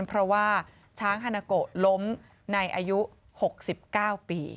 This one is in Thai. เพราะว่าช้างฮานาโกะล้มในอายุ๖๙ปี